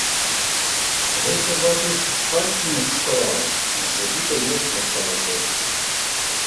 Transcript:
Гэта, бачыш, спадчыннасць старая, з забітай вёскі асталася яшчэ.